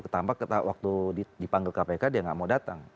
tanpa waktu dipanggil kpk dia nggak mau datang